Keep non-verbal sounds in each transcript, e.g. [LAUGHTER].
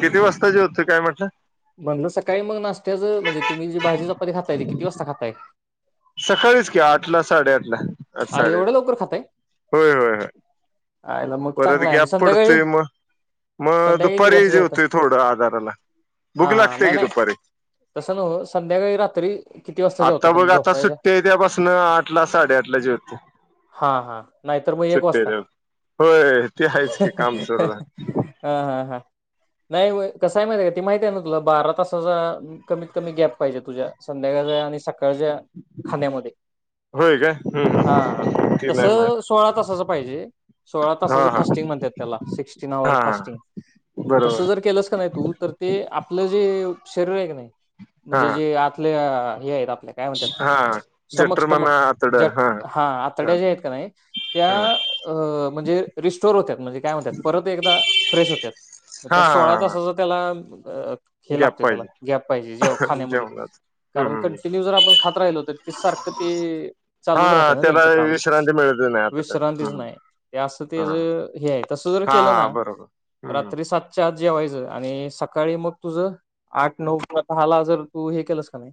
किती वाजताचे होते म्हणलं सकाळी मग नाशत्याच म्हणजे तुम्ही जी भाजी चपाती खाताय ते किती वाजता खाताय सकाळीच क आठ ला साडेआठ ला आठ आ साडेआठ एवढ्या लवकर खाताय? होय होय होय आयला मग परत चांगला आहे आणि गॅप संध्याकाळी पडतोय म म संध्याकाळी दुपारी जेवतोय थोडं आधाराला भूक हा. हा. लागते नाही की नाही, दुपारी तसं न्हवं, संध्याकाळी रात्री किती वाजता जेवता आता बग तुम्ही आता झोपायच्या? सुट्टी आहे त्यापासन आठला साडेआठला जेवतोय हा हा नाहीतर मग एक वाजता तेव्हा होय ते आहेच हे की हे काम हे हे सुरू झालं. हा हा हा नाही होय कसंय माहिती आहे का ती माहती आहे ना तुला बारा तासाचा कमीत कमी गॅप पाहिजे तुझ्या संध्याकाळचा आणि सकाळच्या खाण्यामध्ये होय काय हा हम्म ते नाही माहित तसं सोळा तासाचं पाहिजे सोळा तासाचं हा हा फास्टिंग म्हणत्यात त्याला सिक्सटीन हवर हा हा फास्टिंग मग तसं बरोबर जर केलंस का नाही तू तर ते आपलं जे शरीर आहे कि नाही हा म्हणजे जे आतल्या अ हे आहेत आप त्याला काय म्हणत्यात हा स्टमक जठर म्हणा स्टमक आतड जट हा आ हा तड्या जे आहेत का नाही त्या हा हा अ म्हणजे रिस्टोर होतात म्हणजे काय म्हणत्यात परत एकदा फ्रेश होत्यात म त्या सोळा हा तासाचं त्याला हे गॅप लागतं त्याला पाहिजे गॅप पाहिजे जेव खाण्यामध्ये जेवणाच कारण हम्म कंटिन्यू जर आपण खात राहिलो तर ते सारखं ते चालूचं हा राहतंय ना त्याला त्यांचं काम विश्रांती मिळत नाही आता तर विश्रांतीच हम्म. नाही हे असं तेज हा हे आहे तसं जर हा केलं हा ना बरोबर हम्म. रात्री सातच्या आ जेवायचं आणि सकाळी मग तुझं आठ नऊ किंवा दहाला जर तू हे केलस का नाही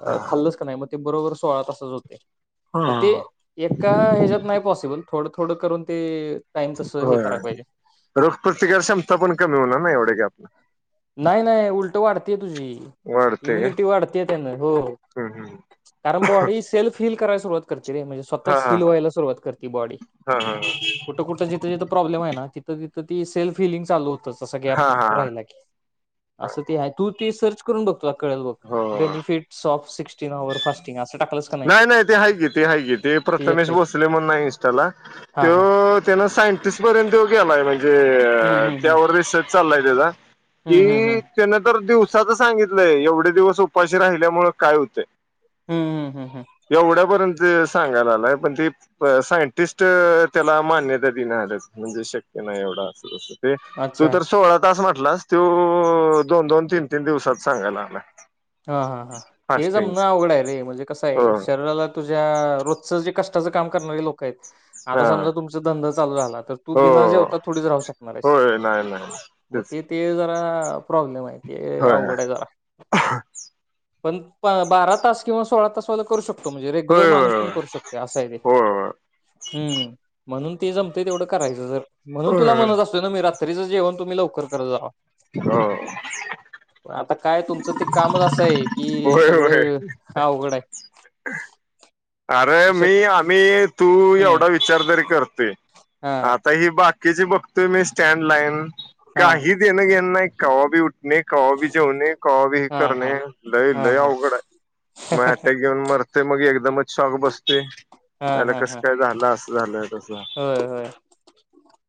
अ खाल्लसं का नाही मग ते बरोबर सोळा तासाचं होतंय हा एका ह्याच्यात नाही पॉसिबल थोडं थोडं करून ते टाइम तसं हे होय करायला होय पाहिजे रोगप्रतिकार क्षमता पण कमी होणार ना एवढ्या गॅप न नाही नाही उलटं वाढत्या तुझी वाढते काय इम्युनिटी वाढत्या त्यान हो हो हम्म हम्म. कारण बॉडी सेल्फ फील करायला सुरुवात करते रे म्हणजे स्वः हा तचं हा हिल व्हायला सुरुवात करते बॉडी हा हा कुठं कुठं जिथं जिथं प्रॉब्लेम आहे ना तिथं तिथं तर ती सेल्फ हिलिंग चालू होतं तसा गॅप हा हा हा राहिला कि असं ते आहे तू ते सर्च करून बघ तुला कळलं बघ हो benefits of sixteen hour fasting असं टाकलंस का नाही नाही ते हाय कि ते हाय कि ते प्रथमेश भोसले म्हणून आहे इंस्टाला हा त्यो हा ते त्यो सायंटिस्ट पर्यंत गेलाय म्हणजे हम्म अ हम्म त्यावर रिसर्च चाललाय त्याचा कि हम्म हम्म हम्म हम्म तेनं तर दिवस साच सांगितलंय एवढे दिवस उपाशी राहिल्यामुळं काय होतंय हम्म हम्म हम्म हम्म एवढ्यापर्यंत ते स सांगाय लागलाय पण तेचं सायंटिस्ट त्याला मान्यता दिना झाल्यात म्हणजे शक्य नाही व बास ओके तेचं अच्छा तू तर सोळा तास म्हटलास त्यो दोन दोन तीन तीन दिवसाचं सांगाय लागलाय हा हा हा ते जमनं अवघड आहे रे म्हणजे कसं हो आहे शरीराला तुझ्या रोजच जे कष्टाचं काम करणारी लोक आहेत आता हा समजा, तुमचा धंदा चालू झाला तर तू हो बिना जेवता थोडीचं राहू शकणार आहेस होय नाही नाही मग तेच ते ते जरा प्रॉब्लेम आहे ते होय अवघड आहे जरा पण पा बारा तास किंवा सोळा तास वाल करू शकतो तो. म्हणजे रेग्युलर होय माणूस पण होय करू शकतोय असं आहे ते होय हम्म म्हणून ते जमतंय तेवढं करायचं जर म्हणून तुला होय म्हणत असतोय ना मी रात्रीचं जेवण तुम्ही लवकर करत जावा हो होय आता काय तुमचं ते कामचं असं आहे कि होय होय सगळं अवघड आहे अरे, मी शक आम्ही तू हम्म एवढा विचार तरी करतोय हा आता ही बाक किची बघतोय मी स्टँड लाईन हा काही देणं घेणं नाही कवा बी उठ णे, कवा बी जेवणे, कवा बी हे हा हा करणे लय हा लय हा अवघड आहे मग अटॅक येऊन मरते मग एकदमच शॉक बसतेय. हा त्याला हा हा कसं काय झालं असं झालंय तस. होय होय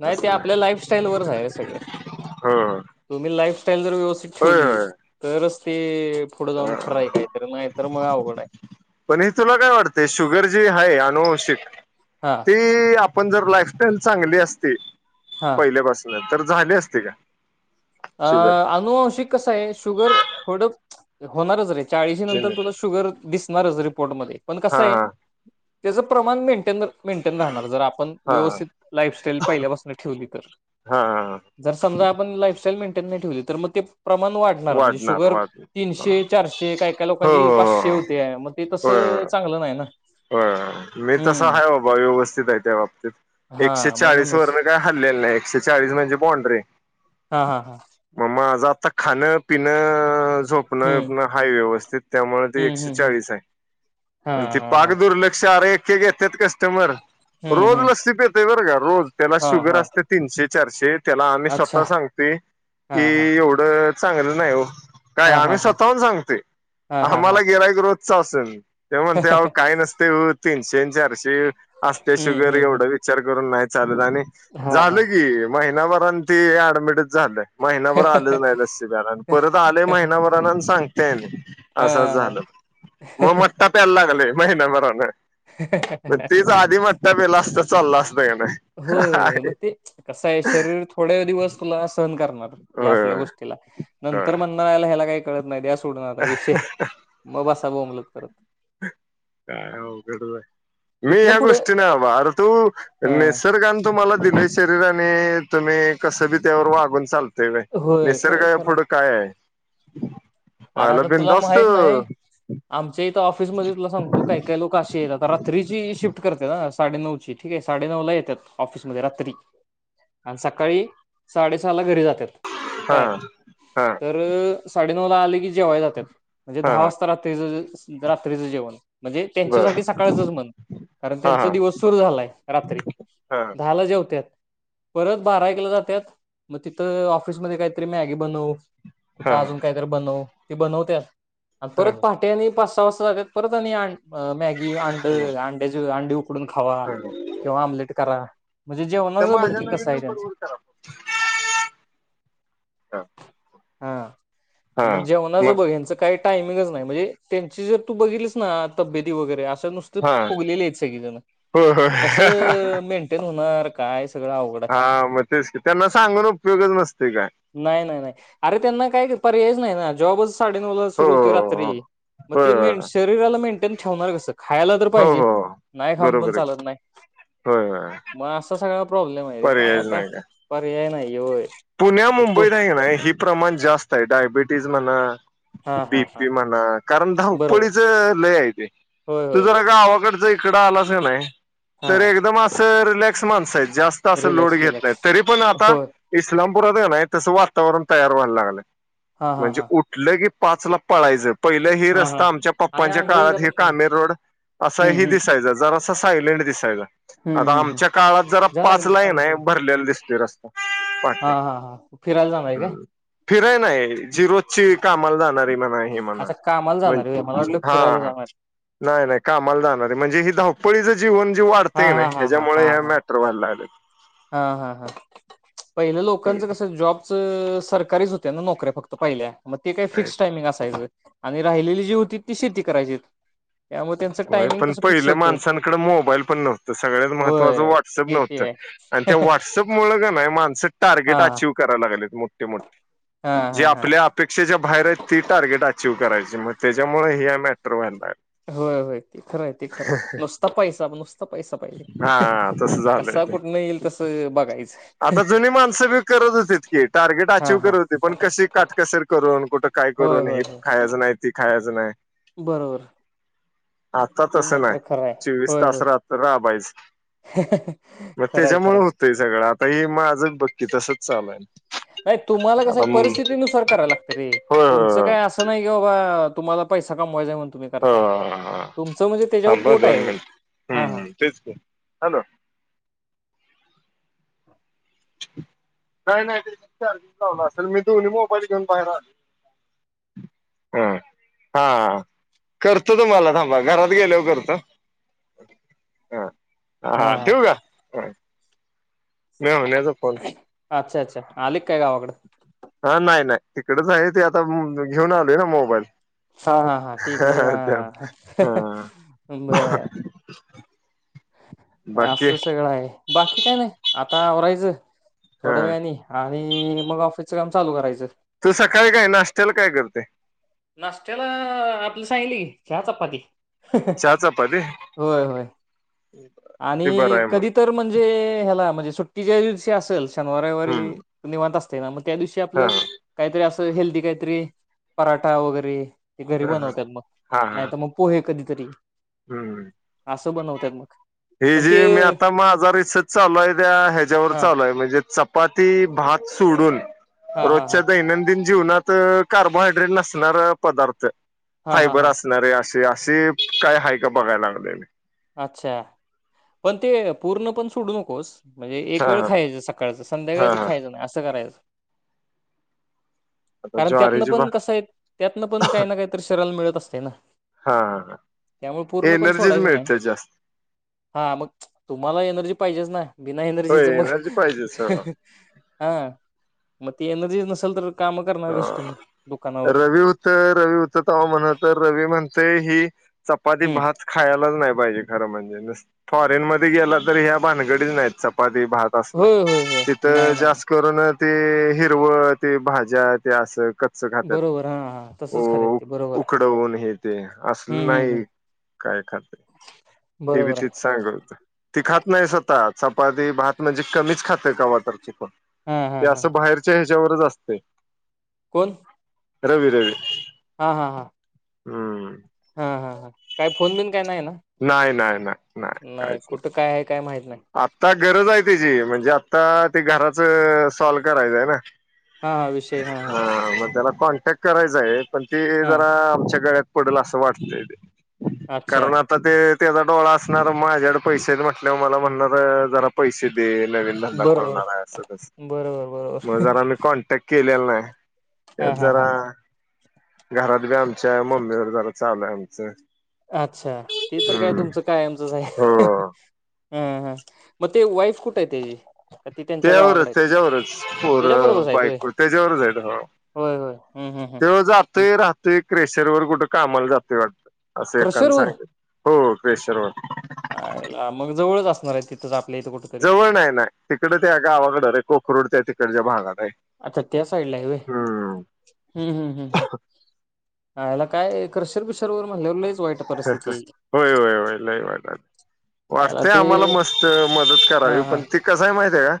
नाही ते आपल्या लाईफस्टाईल वरच आहे रे सगळं तुम्ही [UNINTELLIGIBLE] लाईफस्टाईल जर व्यवथित ठेवली तरच ते पुढे जाऊन खरं आहे काहीतरी नाही तर मग अवघड आहे पण हे तुला काय वाटते शुगर जी आहे अनुवांशिकत हा ते आपण जर लाईफस्टाईल चांगली असते. हा पहिल्यापासून तर झाले असते का? अ शुगर अनुवंशिक कसं आहे शुगर थोडं होणारच रे. चाळीशी नंतर तुला जेनेटिक शुगर दिसणारच रिपोर्ट मधे पण कस हा आहे हा त्याचं प्रमाण में मेंटेन राहणार आपण हा हा व्यवस्थित लाईफस्टाईल पहिल्यापासून ठेवली तर. हा जर समजा आपण लाईफस्टाईल मेंटेन नाही ठेवली तर मग ते प्रमाण वाढणार म्हणजे शुगर तीनशे चारशे काय काय हो लोकांची हो पाचशे हो. होते मग ते होय तसं होय चांगलं नाही ना. होय मी तसं हम्म आहे बाबा व्यवस्थित आहे त्या बाबतीत. हा एकशे चाळीस म्हणूनच वरन काय हल्लेलं नाही एकशे चाळीस म्हणजे बॉन्ड्री. हा हा हां माझ आता खाण पिण झोपन हम्म बिपन हाय व्यवस्थित त्यामुळे ते हम्म एकशे हम्म हम्म चाळीस हा आहे. हा पाक हा दुर्लक्ष अरे एके के येत्यात कस्टमर. हम्म रोज हम्म लस्सी पेतय बरं का रोज त्याला हा शुगर हा असते तीनशे चारशे त्याला आम्ही अच्छा स्वतः सांगते हा कि हा एवढं चांगलं नाही हो. काय हा हा आम्ही हा स्वतःहून सांगतय हा हा हा आम्हाला गिर्‍हाईक रोज च असून ते म्हणते. काय नसते ओ तीनशे चारशे असते हम्म शुगर हम्म एवढ हम्म विचार करून नाही चालत. आणि हा झालं की महिन्याभरान ते अऍडमिटच झालं. महिनाभर आलंच हा नाही लस्सी प्यायला आणि परत आलेय महिनाभराना सांगतेय म असं अस हां. झालं म मट्टा प्यायला लागलय. महिनाभरासाठी मग तेच आधी वाे असत चालला असत. होय मग ते कसं आहे शरीर थोड्या दिवस तुला सहन करणार. या होय असल्या होय गोष्टीला होय नंतर म्हणार याला ह्याला काही कळत नाही. सोडणार विषय मग बसा बोंबलत करत काय अवघड झालय मी हिथनं ह्या पुढं गोष्टी नाही बाबा आर तू हां निसर्गां तुम्हाला दिलय शरीराने आणि तुम्ही कसं बी त्यावर वागून चाल ते होय खरंय निसर्गय खरंय. पुुढं काय आहे. अरे आला आता तुला बिनधास्त माहित नाही आमच्या इथं ऑफिसमध्ये तुला सांगत तो काय काय लोक अशी येत आता रात्रीची शिफ्ट करते, ना साडे नऊची ठीके आहे. साडे नऊ ला येतात ऑफिसमध्ये. रात्री आणि सकाळी साडेसहा ला घरी जातात हा काय हा तर साडे साडेनऊ ला आले की जेवाय जातात म्हणजे हा दहा हा वाजता रात्रीच रात्रीचं जेवण. म्हणजे बर त्यांच्यासाठी सकाळचच म्हण, कारण हा त्यांचा हा दिवस सुर झालाय रात्री. हा दहाला जेवत्यात. परत बारा एकला जात्यात. मग तिथं ऑफिसमध्ये काहीतरी मॅगी बनव कुठ हा अजून काहीतरी बनव ते बनवत्यात आणि हा परत पहाटे आणि पा परत आणि मॅगी अंड हा अंडया अं कडून खावा किंवा आमलेट करा. म्हणजे जेवणाच बघ की समाझाला कसं वि आहे त्यांचं पडव खरा [UNINTELLIGIBLE] [INAUDIBLE] हां हां जेवणाचं बघ यांचं काही टायमिंगच नाही. म्हणजे त्यांची जर तू बघीलच ना तब्येती वगैरे अस नूस्त हा फुगलेली आहेत सगळी जन हो हो मग कस मेंटेंन होणार काय. सगळं अवघड हा आहे मग तेच की त्यांना सांगून उपयोगच नसतय काय नाही नाही नाही अरे त्यांना काय क.. पर्यायच नाही ना जॉबच साडे नऊला हो सुरू होतोय रात्री हो मग हो होय ते मेन होय शरीराला मेंटेन ठेवणार कसं खायला तर हो पाहिजे हो नाही खाऊन पण बरोबर आहे चालत नाही होय होय मग असा सगळा प्रॉब्लेम आहे रे काय पर्यायच आता नाही काय पर्याय नाही होय पुण्या तू मुंबईत आहे नाही हे प्रमाण जास्त आहे डायबिटीज म्हणा हा बी हा हा पी म्हणा कारण बरोबर धावपळीच लई आहे ते होय तू होय होय जरा गावाकड जर इकडं आलास कनई हा तर एकदम असं रिलॅक्स माणस आहेत जास्त असं लोड रिलॅक्स घेतल रिलॅक्स नाहीत तरी पण आता होय इस्लामपुरात कनई तसं वातावरण तयार व्हायला लागलंय हा हा म्हणजे हा उठलं की पाच ला पळायचं पहिलं ही हा हा रस्ता आमच्या आणि पप्पांच्या आंघोळीला जा काळात ही पटकन कामेर रोड असा हम्म ही हम्म दिसायचा जर असं सायलेंट दिसायचा हम्म आता हम्म हम्म आमच्या काळात जरा जा लागलीच पाचला हाय पाणी कीनई सोडून भरलेला दिसतोय रस्ता हा वाटते हा हा फिरायला जागा हाय का फिराय नाय जी रोजची कामाला जाणारी म्हणा हे म्हणा ही म्हणा म्हण हा हा हा हा हा नाही नाही कामाला जाणारी म्हणजे ही धावपळ जीवन जे हा वाढतय कीनई हा हा हा हा ह्याच्यामुळे हे हा मॅटर व्हायला लागलय हा हा हा पहिलं लोकांच लागलेत. कस जॉब् स सरकारीच होत्या ना नोकऱ्या फक्त पाहिल्या मग ते काय फिक्स टायमिंग असायचं आणि राहिलेली जी होतीत ती शेती करायचीत होय पण पहिलं माणसांकडं मोबाईल पण नव्हत सगळ्यात महत्त्वाचं होय व्हॉट्सअप ते ते नव्हतं आहे आणि त्या व्हॉट्सअप मुळ का नाही माणसं हा टार्गेट अचीव्ह कराय लागलेत मोठे मोठे हा जे हा हा आपल्या अपेक्षेच्या बाहेर आहेत ती टार्गेट अची व्ह करायची मग त्याच्यामुळे ह हे मॅटर व्हाय लागलीत होय होय ते खरंय ते खरंय नुसता पैसा नुसता पैसा पाहिले हा तसं झालंय कसा ते. कुठन येईल तसं बघायचं आता जुनी माणसं बी करत होतीत की टार्गेट हा अचीव्ह हा करत होती पण कशी काटकसर करून कुठं काय होय करून होय ही होय खायचं नाही ती खायचं नाही बरोबर आता ते तसं नाही मात्र खरं आहे चोवीस होय तास राहत राबायच होय मग खरंय त्याच्यामुळे खरंय होतय सगळं आता हे माझच बघकी तसच चालू हाय नाही तुम्हाला कसं आहे परिस्थिती नुसार करायला लागत रे होय तुमचं होय काय असं नाही कि बाबा तुम्हाला पैसा कमवायचा म्हणून तुम्ही करताय हो तुमचं म्हणजे त्याच्यावर पोट आहे हा हम हा ह तेच की हॅलो हॅलो नाही नाही त्यांचा चार्जिंग लावला असेल मी दोन्ही मोबाईल घेऊन बाहेर आलोय हम हा हा करतो तुम्हाला थांबा घरात गेल्यावर करतो हा हा ह हा ठीवू का मेहुण्याचा फोन अच्छा अच्छा आलित काय गावाकडून हा नाही नाही तिकडेच आहे ते आता म. म घेऊन आलेय ना मोबाईल हा हा त्यात.. हा हू बर हू असं सगळं आहे बाकी काय नाही आता आवरायचं हा थोड्या वेळानी आणि मग ऑफिसचं काम चालू करायचं तू सकाळी काय नाश्त्याला काय करतोय नाश्त्याला आपलं सांगीतल की चहा चपाती ह ह.. चहा चपाती होय होय ते बरं आणि आहे मग कधी तर म्हणजे ह्याला म्हणजे सुट्टी ज्या दिवशी असल शनिवारी हम्म रविवारी निवांत असतय मग त्या दिवशी हा आपलं काहीतरी अस हेल्दी काहीतरी पराठा वगैरे हे घरी हा बनवतात मग हा हा नाही तर मग पोहे कधी तरी हम्म असं बनवत्यात मग हे पण ते जे मी आता माझा रिसर्च चालू आहे त्या ह्याच्यावर हा चालूय म्हणजे चपाती भात सोडून हा हा हा रोजच्या दैनंदिन जीवनात कार्बोहायड्रेट नसणार पदार्थ हा हा फायबर हा असणार असे जी ते असे काय हा का बघायला लागलोय मी अच्छा पण ते पूर्ण पण सोडू नकोस म्हणजे एक हा वेळ हा खायचं सकाळचं हा संध्याकाळच हा खायचं नाही असं करायचं आता कारण त्यातनं ज्वारीची भा पण कसं आहे त्यातनं पण काही ना काहीत शरीराला मिळत असते ना हा त्यामुळे पूर्ण पण एनर्जीच सोडायचं नाही मिळते जास्त हा मग तुम्हाला एनर्जी पाहिजेच ना बिना होय एनर्जीच मग एनर्जी पाहिजेच हा. हा मती एनर्जीच नसलतर अ रवी होत रवी होत त म्हण तर रवी म्हणते ही चपाती हम्म भात खायलाच नाय पाहिजे. खर म्हणजे फॉरेन मध्ये गेला तर ह्या भानगडीच नाहीत चपाती भात असलं होय होय होय तिथं नाही नाही नाही जास करूनच ते हिरवं ते भाज्या ते असं कच्च खातात बरोबर हा हा तसंच खात ते बरोबर आहे उकडवून हे ते असलं हम्म हम्म नाही हम्म काय खाते ते बी बरोबर आहे तिच सांग होत ती खात नाही स्वतः चपाती भात म्हणजे कमीच खाते कवातर पण हा हा ते हा असं बाहेरच्या ह्याच्यावरच असत व्हयं कोण रवी रवी हा-हाहा हम्म हा-हा ह काही फोन बिन काय नाही ना नाही नाही नाही नाही काहीच कुठे काय आहे. काय माहित नाही आता गरज आहे त्याची म्हणजे आता ते घराचं सॉल्व करायचं आहे ना हा-हा विषय हा-हा हा मग त्याला कॉन्टॅक्ट करायचं आहे पण ते हा जरा आमच्या गळ्यात पडेल असं वाटतंय ते अच्छा कारण आता ते त्याचा डोळा असणार माझ्याकड पैसेच म्हटल्या मला म्ह णार जरा पैसे दे नवीन धंदा बरोबर खोलणार आहे अस तस बरोबर मग बरोबर जरा मी कॉन्टॅक्ट केलेलं नाही त्यात हा हा जरा हा घरात बी आमच्या मम्मीवर जरा चालूय आहे आमचं अच्छा ते तर काय हम्म तुमचं कायमचं आहे. हो हम्म हम् म ते वईफ कुठय येतजी ती त्यांच्या त्यावरच गावाकडे आहेत त्याच्यावरच पोर त्याच्या बरोबरच आहेत होय बायको होय-होय तेव जातय राहतय क्रेशर ववर कुठं कामाला जातय वाटतं असं एकाण क्रशरवर सांगितल हो क्रेशरवर आयला मग जवळच असणार आहे तिथंच आपल्या इथं कुठेतरी जवळ नाय-नाय तिकड त्या गावाकड रे कोखरूड त्या तिकडच्या भागात आहे आच्छा त्या साईड ला हवे हम्म हम्म-हम्म-हम्म- हम्म आयाला काय क्रशर बीशर वर म्हणल्याव लयच होय-होय-होय लय वाईट झालं आयला वाटतेय ते आम्हाला मस्त मदत हा करावी हा पण ती कसय माहती आहे का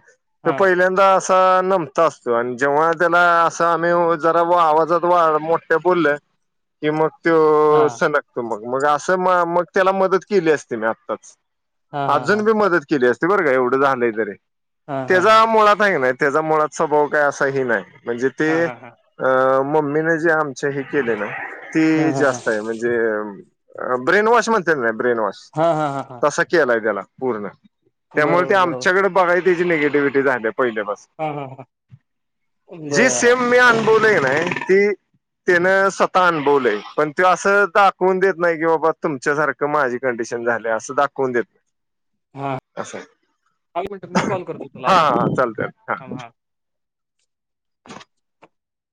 ते हा पहिल्यांदा नमता असतो आणि जेव्हा त्याला असं आम्ही जरा आवाजात वाढ मोठ्या बोलले किम हा तो सनगतो मग-मग असं म मग त्याला मदत केली असते मी आत्ताच हा हा अजून बी मदत केली असते बरं का एवढं झालं तरी हा हा त्याचा हा मुळात आहे नाही त्याचा मुळात स्वभाव काय असाही नाही म्हणजे ते हा हा हा हा अ मम्मीने जे आमचे हे केले ना ते हा हा हा जास्त आहे म्हणजे ब्रेनवॉश म्हणत्यात ब्रेन वॉश हा हा हा हा तसा केलाय त्याला पूर्ण त्यामुळे ते बरोबर बरोबर आमच्याकडे बघाय त्याची निेगेटिव्हिटी झाली पहिले पास हा हा हा जी बरं सेम मी अनुभवले कि नाय ती तेन स्वतः अनुभवलंय पण ते असाल [UNINTELLIGIBLE] दाखवून देत नाही की बाबा तुमच्यासारखं माझी कंडिशन झाली असं दाखवून देत हा नाही असं! एक मिनटं मी कॉल करतो ! तुला हा आता चालतंय हा चालतंय हा